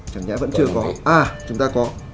chẳng nhẽ vẫn chưa có